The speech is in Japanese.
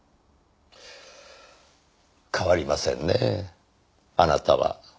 変わりませんねぇあなたは。